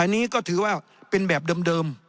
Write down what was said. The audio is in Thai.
อันนี้ก็ถือว่าเป็นแบบเดิม